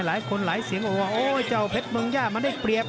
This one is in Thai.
หลายคนหลายเสียงบอกว่าโอ๊ยเจ้าเพชรเมืองย่ามันได้เปรียบ